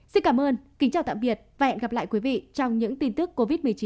xin cảm ơn kính chào tạm biệt và hẹn gặp lại quý vị trong những tin tức covid một mươi chín